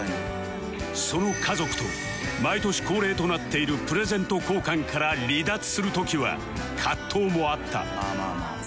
その家族と毎年恒例となっているプレゼント交換から離脱する時は葛藤もあった